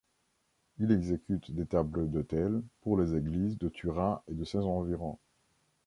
Il exécute des tableaux d'autel pour les églises de Turin et de ses environs.